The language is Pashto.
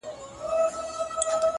هسې نه ستا آتسي زلفې زما بشر ووهي!